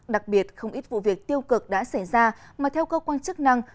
đặc biệt không ít vụ việc tiêu cực đã xảy ra mà theo cơ quan chức năng